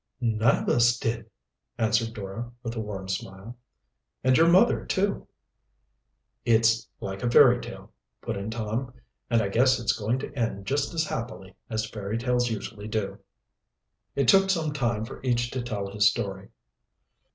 "None of us did," answered Dora with a warm smile. "And your mother, too!" "It's like a fairy tale," put in Tom, "and I guess it's going to end just as happily as fairy tales usually do." It took some time for each to tell his story.